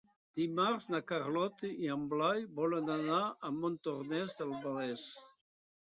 Dimarts na Carlota i en Blai volen anar a Montornès del Vallès.